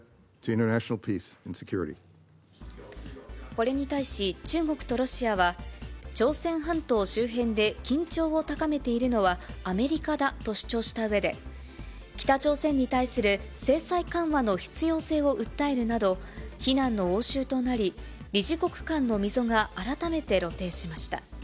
これに対し中国とロシアは、朝鮮半島周辺で緊張を高めているのはアメリカだと主張したうえで、北朝鮮に対する制裁緩和の必要性を訴えるなど、非難の応酬となり、理事国間の溝が改めて露呈しました。